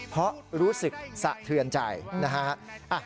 เพราะรู้สึกสะเทือนใจนะฮะ